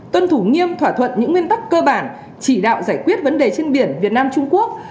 tuân thủ nghiêm thỏa thuận những nguyên tắc cơ bản chỉ đạo giải quyết vấn đề trên biển việt nam trung quốc